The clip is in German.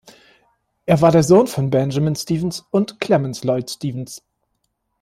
Er war der Sohn von Benjamin Stephens und Clemence Lloyd Stephens.